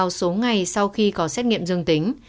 nhiên cứu thuộc vào số ngày sau khi có xét nghiệm dương tính